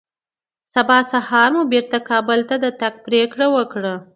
سبا سهار مو بېرته کابل ته د تګ پرېکړه وکړه